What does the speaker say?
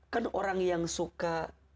kan orang yang suka